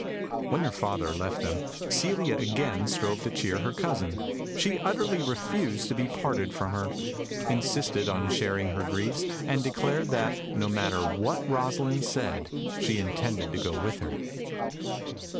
When her father left them, Celia again strove to cheer her cousin. She utterly refused to be parted from her, insisted on sharing her griefs, and declared that, no matter what Rosalind said, she intended to go with her.